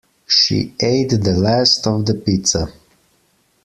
She ate the last of the pizza